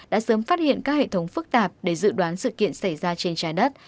đã sớm phát hiện các hệ thống phức tạp để dự đoán sự kiện xảy ra trên trái đất